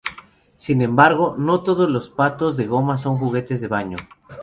Sin embargo, no todos los patos de goma son juguetes de baño.